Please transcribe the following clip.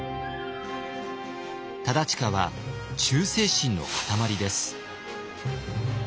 忠隣は忠誠心の塊です。